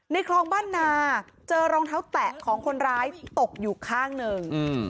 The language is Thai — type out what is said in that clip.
คลองบ้านนาเจอรองเท้าแตะของคนร้ายตกอยู่ข้างหนึ่ง